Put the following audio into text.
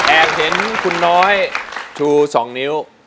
แอบเห็นคุณน้อย๒สองนิ้ว